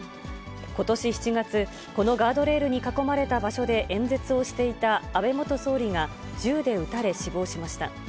ことし７月、このガードレールに囲まれた場所で演説をしていた安倍元総理が、銃で撃たれ死亡しました。